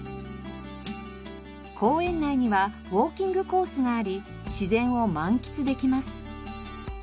公園内にはウォーキングコースがあり自然を満喫できます。